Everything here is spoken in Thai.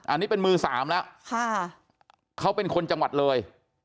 อันนี้เป็นมือสามแล้วค่ะเขาเป็นคนจังหวัดเลย